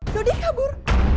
jadi dia kabur